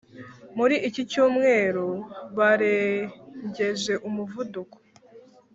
muri iki cyumweru barengeje umuvuduko